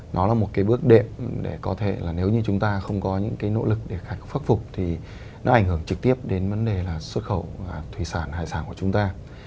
nó là một cái bước đệm để có thể là nếu như chúng ta không có những cái nỗ lực để khắc phục thì nó ảnh hưởng trực tiếp đến vấn đề là xuất khẩu thủy sản hải sản của chúng ta